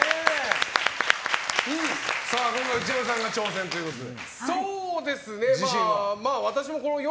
内山さんが挑戦ということで。